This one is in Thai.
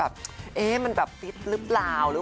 มันมีประสุทธิ์หรือบ้าง